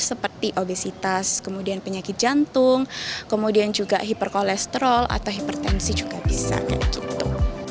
seperti obesitas kemudian penyakit jantung kemudian juga hiperkolesterol atau hipertensi juga bisa dari cukup